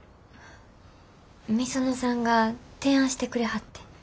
御園さんが提案してくれはってん。